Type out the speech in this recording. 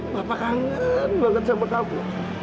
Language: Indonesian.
bapak kangen banget sama kamu